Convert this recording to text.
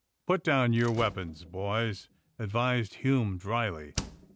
^^Pnt down your weapons, boys," advised Hume dryly.